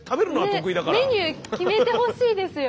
メニュー決めてほしいですよ。